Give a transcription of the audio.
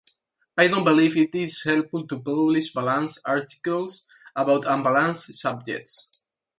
I don't believe it is helpful to publish 'balanced' articles about unbalanced subjects.